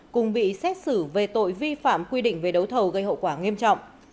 cùng bị xét xử về tội vi phạm quy định về đấu thầu gây hậu quả nghiêm trọng